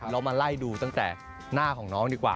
เรามาไล่ดูตั้งแต่หน้าของน้องดีกว่า